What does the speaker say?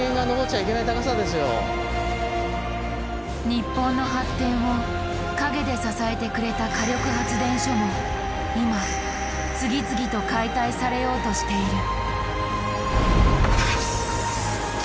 日本の発展を陰で支えてくれた火力発電所も今次々と解体されようとしている。